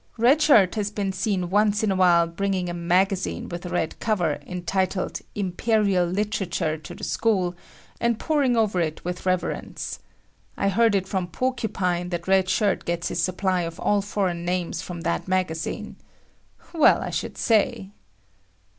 Red Shirt has been seen once in a while bringing a magazine with a red cover entitled Imperial Literature to the school and poring over it with reverence. I heard it from Porcupine that Red Shirt gets his supply of all foreign names from that magazine. Well, I should say!